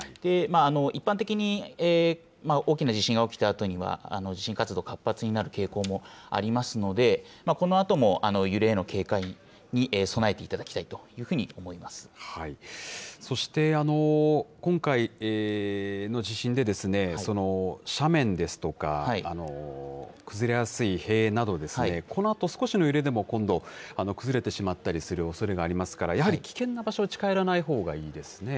一般的に、大きな地震が起きたあとには、地震活動、活発になる傾向もありますので、このあとも揺れへの警戒に備えていただきたいというふうに思いまそして、今回、の地震で、斜面ですとか、崩れやすい塀など、このあと少しの揺れでも今度、崩れてしまったりするおそれがありますから、やはり危険な場所に近寄らないほうがいいですね。